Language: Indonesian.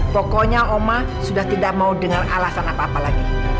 pokoknya oma sudah tidak mau dengan alasan apa apa lagi